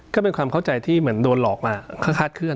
ก็เป็นความเข้าใจที่เหมือนโดนหลอกมาคาดเคลื